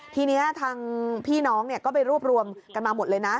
ทีนี้ทางพี่น้องก็ไปรวบรวมกันมาหมดเลยนะ